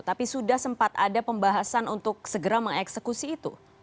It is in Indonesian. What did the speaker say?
tapi sudah sempat ada pembahasan untuk segera mengeksekusi itu